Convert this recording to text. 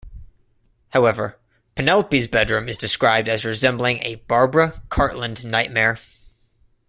However, Penelope's bedroom is described as resembling a "Barbara Cartland nightmare".